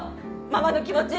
ママの気持ち。